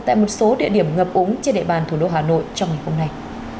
tại một số địa điểm ngập úng trên địa bàn thủ đô hà nội trong ngày hôm nay